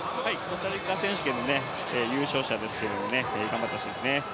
コスタリカ選手権の優勝者ですが、頑張ってほしいですね。